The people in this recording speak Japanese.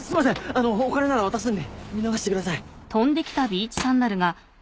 あのうお金なら渡すんで見逃してください。